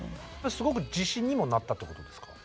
すごく自信にもなったってことですか？